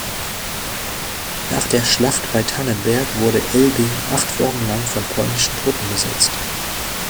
Nach der Schlacht bei Tannenberg wurde Elbing acht Wochen lang von polnischen Truppen besetzt.